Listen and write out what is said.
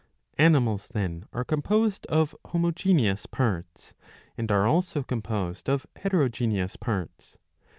^ Animals then are composed of homogeneous parts, and are also composed of heterogeneous parts.